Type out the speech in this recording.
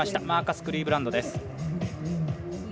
マーカス・クリーブランドです。